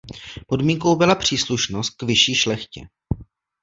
Podmínkou byla příslušnost k vyšší šlechtě.